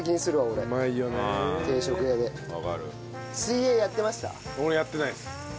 俺やってないです。